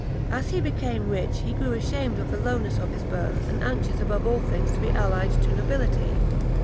As he became rich, he grew ashamed of the lowness of his birth, and anxious above all things to be allied to nobility.